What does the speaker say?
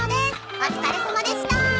お疲れさまでしたー。